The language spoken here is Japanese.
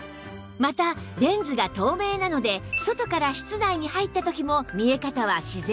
またレンズが透明なので外から室内に入った時も見え方は自然なまま